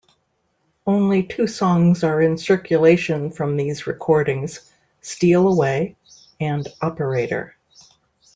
Only two songs are in circulation from these recordings: "Steal Away" and "Operator".